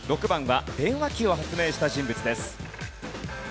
６番。